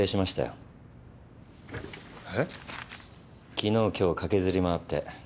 昨日今日駆けずり回って。